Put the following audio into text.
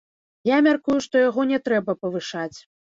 Я мяркую, што яго не трэба павышаць.